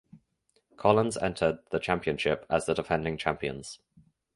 Collins entered the championship as the defending champions.